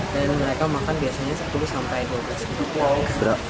dan mereka makan biasanya sepuluh sampai dua belas hewan